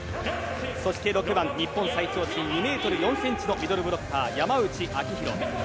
そして、６番日本最長身２ｍ４ｃｍのミドルブロッカー山内晶大。